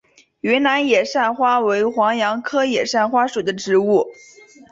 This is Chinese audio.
云南野扇花为黄杨科野扇花属的植物。